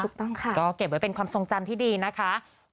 ถูกต้องค่ะก็เก็บไว้เป็นความทรงจำที่ดีนะคะ